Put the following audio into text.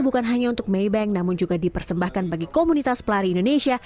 bukan hanya untuk maybank namun juga dipersembahkan bagi komunitas pelari indonesia